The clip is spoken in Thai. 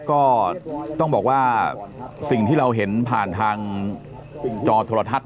ก็ต้องบอกว่าสิ่งที่เราเห็นผ่านทางจอโทรทัศน